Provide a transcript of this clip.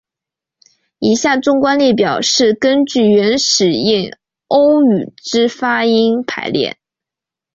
以下纵观列表是根据原始印欧语之发音排列。